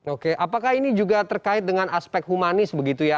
oke apakah ini juga terkait dengan aspek humanis begitu ya